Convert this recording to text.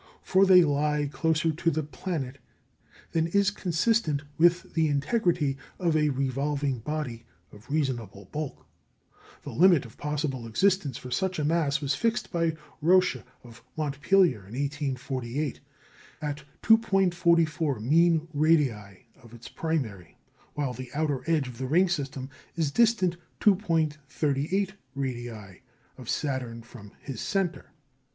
For they lie closer to the planet than is consistent with the integrity of a revolving body of reasonable bulk. The limit of possible existence for such a mass was fixed by Roche of Montpellier, in 1848, at 2·44 mean radii of its primary; while the outer edge of the ring system is distant 2·38 radii of Saturn from his centre.